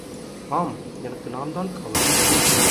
ஆம், எனக்கு நான்தான் காவல்.